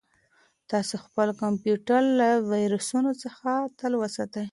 تاسو خپل کمپیوټر له ویروسونو څخه تل وساتئ.